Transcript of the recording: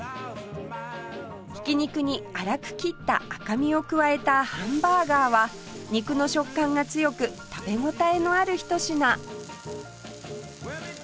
ひき肉に粗く切った赤身を加えたハンバーガーは肉の食感が強く食べ応えのあるひと品